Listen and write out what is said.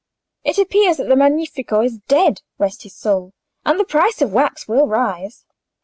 "It appears the Magnifico is dead—rest his soul!—and the price of wax will rise?"